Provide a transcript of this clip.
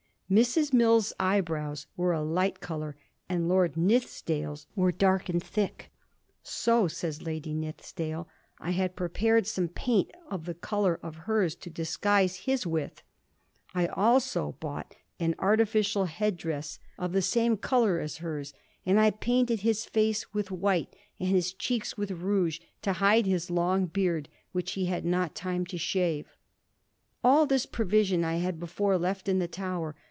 Mrs. Mills' eyebrows were a light colour, and Lord Nithisdale's were dark and thick. * So,' says Lady Nithisdale, * I had prepared some paint of the colour of hers to disguise his with. I also bought an artificial headdress of the same colour Digiti zed by Google 184 A HISTORY OF THE POUR GEORGES, oh. thu as hers, and I painted his &ce with white, and his cheeks with rouge to hide his long beard, which he had not time to shave. All this provision I had before left in the Tower.